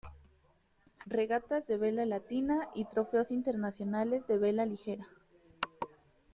Regatas de Vela Latina y Trofeos internacionales de Vela ligera.